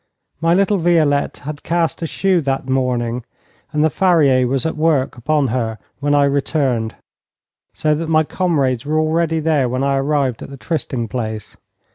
My little Violette had cast a shoe that morning, and the farrier was at work upon her when I returned, so that my comrades were already there when I arrived at the trysting place.